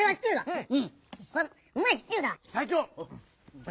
うん！